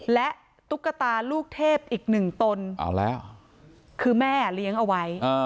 และตุ๊กตาลูกเทพอีกหนึ่งตนคือแม่เลี้ยงเอาไว้